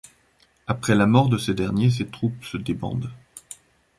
Après la mort de ce dernier, ses troupes se débandent.